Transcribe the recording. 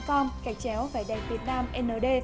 cảnh chéo vẻ đẹp việt nam nld